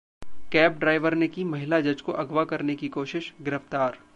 cab driver ने की महिला जज को अगवा करने की कोशिश, गिरफ्तार